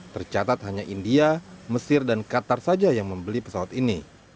tercatat hanya india mesir dan qatar saja yang membeli pesawat ini